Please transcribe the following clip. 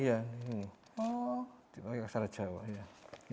pakai aksara jawa ya